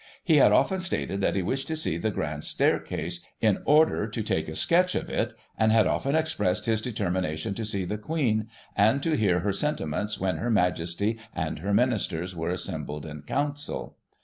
He had often stated that he wished to see the grand staircase, in order to take a sketch of it, and had often expressed his deter mination to see the Queen, and to hear her sentiments when Her Majesty and her Ministers were assembled in Coxmcil.